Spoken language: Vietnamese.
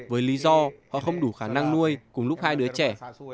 với lý do họ không đủ khả năng nuôi cùng lúc hai đứa trẻ